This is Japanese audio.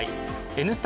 「Ｎスタ」